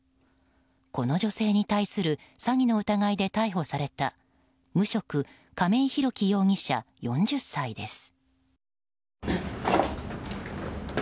この女性に対する詐欺の疑いで逮捕された無職・亀井裕貴容疑者４０歳です。